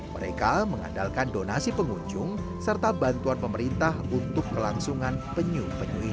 mereka mengandalkan donasi pengunjung serta bantuan pemerintah untuk kelangsungan penyu penyu ini